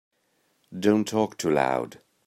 Don't talk too loud.